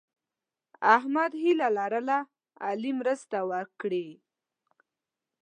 احمد هیله لرله علي مرسته وکړي.